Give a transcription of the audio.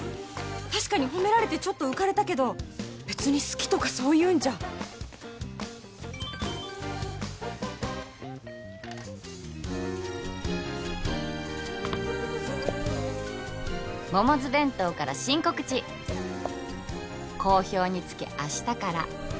確かに褒められてちょっと浮かれたけど別に好きとかそういうんじゃ「モモズ弁当から新告知！！！」「好評につき明日から」